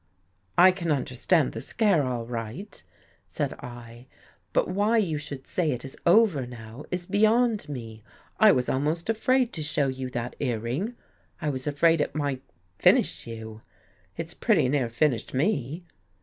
"" I can understand the scare all right," said I. " But why you should say It Is over now. Is beyond me. I was almost afraid to show you that earring. I was afraid it might — finish you. It pretty near finished me."